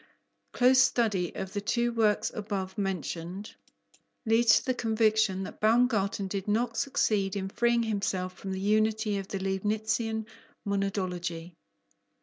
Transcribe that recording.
Close study of the two works above mentioned leads to the conviction that Baumgarten did not succeed in freeing himself from the unity of the Leibnitzian monadology.